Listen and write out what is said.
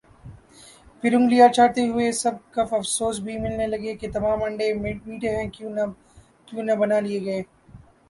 پھر انگلیاں چاٹتے ہوئے سب کف افسوس بھی ملنے لگے کہ تمام انڈے میٹھے ہی کیوں نہ بنا لئے گئے